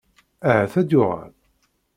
Ahat ad d-yuɣal?